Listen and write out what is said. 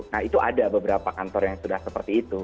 nah itu ada beberapa kantor yang sudah seperti itu